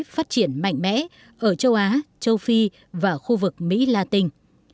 phát triển mạnh mẽ ở châu á châu phi và khu vực mỹ latin